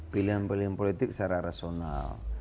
pilihan pilihan politik secara rasional